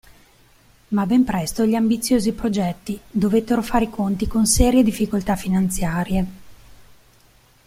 Ma ben presto gli ambiziosi progetti dovettero fare i conti con serie difficoltà finanziarie.